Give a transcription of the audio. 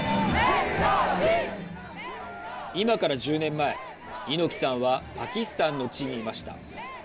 今から１０年前、猪木さんはパキスタンの地にいました。